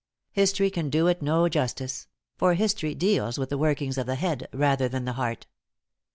History can do it no justice; for history deals with the workings of the head, rather than the heart.